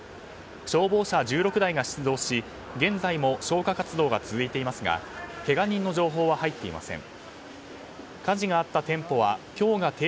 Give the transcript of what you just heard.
消防車１６台が出動し現在も消火活動が続いていますがけが人の情報は入っていません。